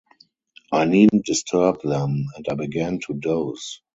I needn’t disturb them; and I began to doze.